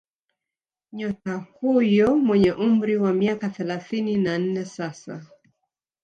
Nyota huyo mwenye umri wa miaka thelathini na nne sasa